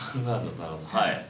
はい。